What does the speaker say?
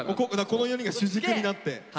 この４人が主軸になって。